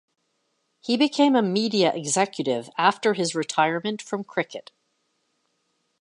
He became a media executive after his retirement from cricket.